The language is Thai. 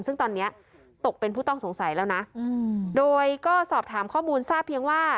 ซึ่งตอนนี้ตกเป็นผู้ต้องสงสัยแล้วนะโดยก็สอบถามข้อมูลทราบเพียงว่า